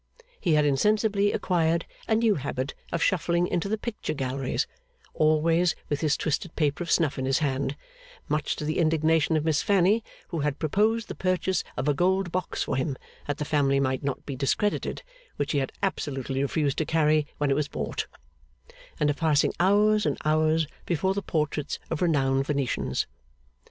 He had insensibly acquired a new habit of shuffling into the picture galleries, always with his twisted paper of snuff in his hand (much to the indignation of Miss Fanny, who had proposed the purchase of a gold box for him that the family might not be discredited, which he had absolutely refused to carry when it was bought); and of passing hours and hours before the portraits of renowned Venetians.